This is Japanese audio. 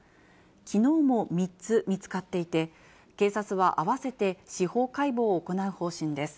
きのうも３つ見つかっていて、警察は合わせて司法解剖を行う方針です。